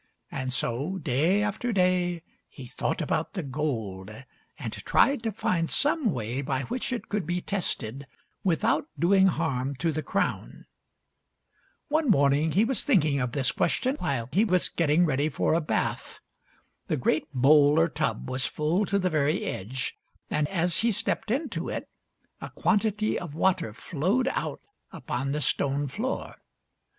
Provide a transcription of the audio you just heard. And so, day after day, he thought about the gold and tried to find some way by which it could be tested without doing harm to the crown. One morning he was thinking of this question while he was getting ready for a bath. The great bowl or tub was full to the very edge, and as he stepped into it a quantity of water flowed out upon the stone floor.